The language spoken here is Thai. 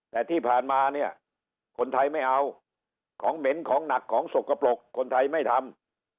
แต่ที่ผ่านมาเนี่ยคนไทยไม่เอาของเหม็นของหนักของสกปรกคนไทยไม่ทำ